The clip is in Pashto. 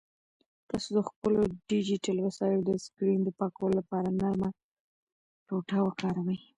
تاسو د خپلو ډیجیټل وسایلو د سکرین د پاکولو لپاره نرمه ټوټه وکاروئ.